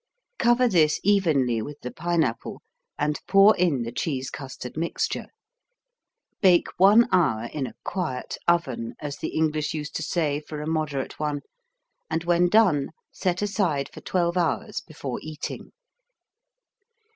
Cover this evenly with the pineapple and pour in the cheese custard mixture. Bake I hour in a "quiet" oven, as the English used to say for a moderate one, and when done set aside for 12 hours before eating.